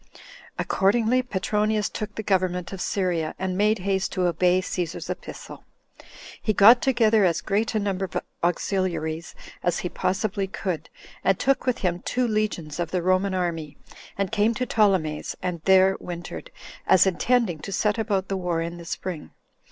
Accordingly, Petronius took the government of Syria, and made haste to obey Cæsar's epistle. He got together as great a number of auxiliaries as he possibly could, and took with him two legions of the Roman army, and came to Ptolemais, and there wintered, as intending to set about the war in the spring.